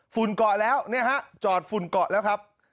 เกาะแล้วเนี่ยฮะจอดฝุ่นเกาะแล้วครับ